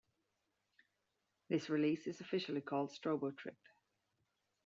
This release is officially called "Strobo Trip".